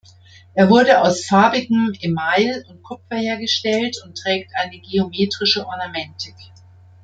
Er wurde aus farbigem Email und Kupfer hergestellt und trägt eine geometrische Ornamentik.